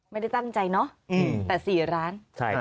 ไม่ได้ตั้งใจเนาะแต่๔ล้าน